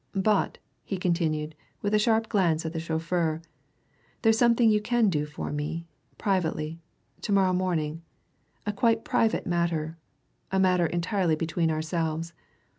But," he continued, with a sharp glance at the chauffeur, "there's something you can do for me, privately, to morrow morning a quite private matter a matter entirely between ourselves.